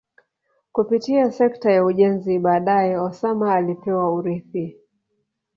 kupitia sekta ya ujenzi baadae Osama alipewa urithi